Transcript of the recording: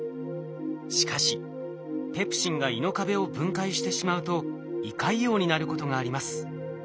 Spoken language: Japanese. しかしペプシンが胃の壁を分解してしまうと胃潰瘍になることがあります。